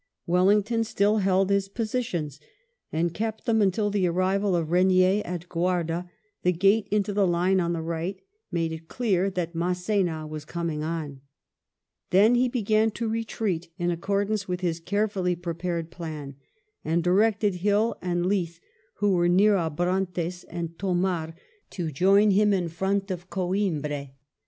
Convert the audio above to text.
Wellington still held his positions, and kept them imtil the arrival of Regnier at Guarda, the gate into the line on the right, made it clear that Mass^na was coming on. Then he began to retreat in accordance with his carefully prepared plan, and directed Hill and Leith, who were near Abrantes and Thomar, to join him in front of Coimbra.